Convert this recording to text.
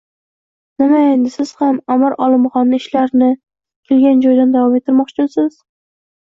Nima, endi siz ham amir Olimxonni ishlarini... kelgan joyidan davom ettirmoqchimisiz?